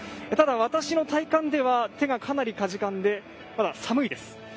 ただ、私の体感では手がかなりかじかんで、まだ寒いです。